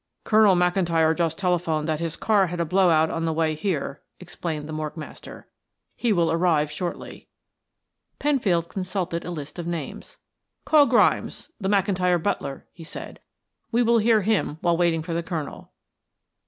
"Colonel McIntyre just telephoned that his car had a blow out on the way here," explained the morgue master. "He will arrive shortly." Penfield consulted a list of names. "Call Grimes, the McIntyre butler," he said. "We will hear him while waiting for the Colonel."